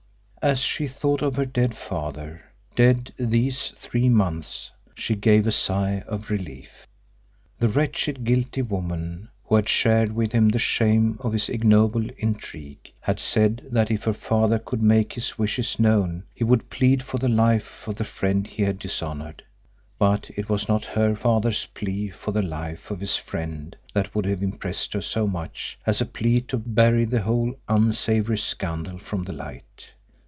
As she thought of her dead father dead these three months she gave a sigh of relief. The wretched guilty woman, who had shared with him the shame of his ignoble intrigue, had said that if her father could make his wishes known he would plead for the life of the friend he had dishonoured. But it was not her father's plea for the life of his friend that would have impressed her so much as a plea to bury the whole unsavoury scandal from the light.